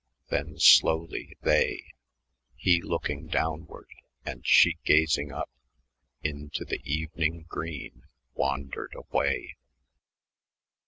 Then slowly they, He looking downward, and she gazing up, Into the evening green wandered away."